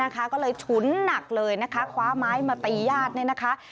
ก็เลยฉุนหนักเลยนะคะคว้าไม้มาตีญาติเนี่ยนะคะ